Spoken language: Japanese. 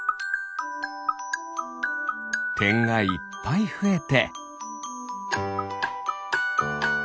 てんがいっぱいふえて。